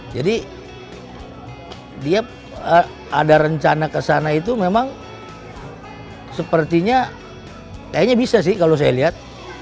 jadi dia ada rencana ke sana itu memang sepertinya kayaknya bisa sih kalau saya lihat